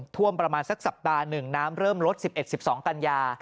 ท่วมประมาณสักสัปดาห์หนึ่งน้ำเริ่มลด๑๑๑๒กันยา